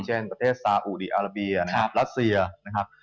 เช่นประเทศซาอุดีอาราเบียนะครับรัสเซียนะครับ